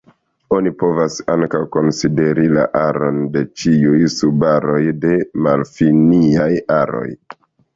Oni povas ankaŭ konsideri la aron de ĉiuj subaroj de malfiniaj aroj.